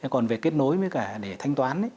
còn về kết nối với cả để thanh toán